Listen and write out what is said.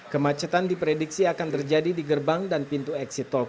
kemacetan diprediksi akan terjadi di gerbang dan pintu eksit tol